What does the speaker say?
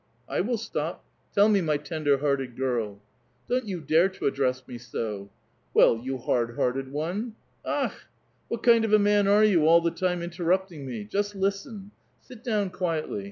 " I will stop. Tell me, my tender hearted girl. " Don't vou dare to address me so !" "Well, vou hard hearted one." ^^Akh! w^hat kind of a man are you, all the time interrupt ing me? Just listen. Sit down quietly.